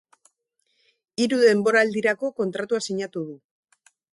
Hiru denboraldirako kontratua sinatu du.